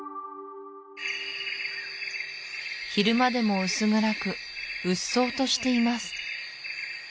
昼間でも薄暗くうっそうとしています